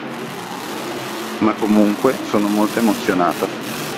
Ma comunque, sono molto emozionata